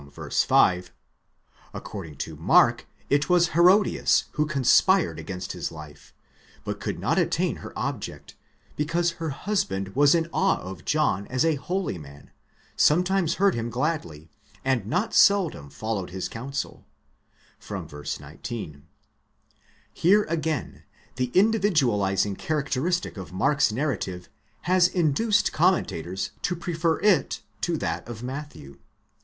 5) ; according to Mark, it was Herodias who conspired against his life, but could not attain her object, because her husband was in awe of John as a holy man, sometimes heard him gladly, and not seldom followed his counsel (v. 19).7 Here, again, the individualizing characteristic of Mark's narrative has induced commentators to prefer it to that of Matthew.